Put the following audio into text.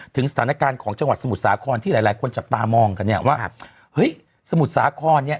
ถึงสถานการณ์ของจังหวัดสมุทรสาครที่หลายหลายคนจับตามองกันเนี่ยว่าเฮ้ยสมุทรสาครเนี่ย